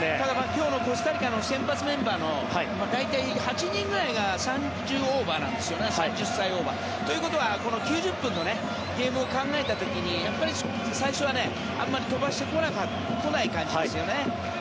今日のコスタリカの先発メンバーの大体８人ぐらいが３０歳オーバーなんですよね。ということは９０分のゲームを考えた時にやっぱり最初はあまり飛ばしてこない感じですよね。